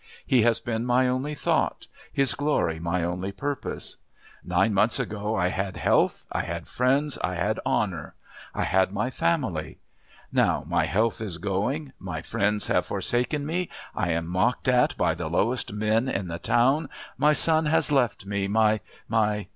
He has been my only thought, His glory my only purpose. Nine months ago I had health, I had friends, I had honour. I had my family now my health is going, my friends have forsaken me, I am mocked at by the lowest men in the town, my son has left me, my my..."